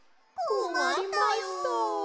こまりました。